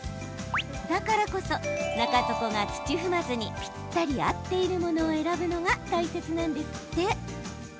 だからこそ、中底が土踏まずにぴったり合っているものを選ぶのが大切なんですって。